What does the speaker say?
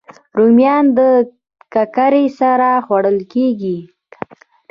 رومیان د ککرې سره خوړل کېږي